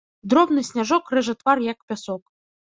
Дробны сняжок рэжа твар як пясок.